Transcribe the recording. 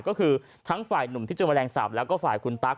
ก็คือทั้งฝ่ายหนุ่มที่เจอแมลงสาปแล้วก็ฝ่ายคุณตั๊ก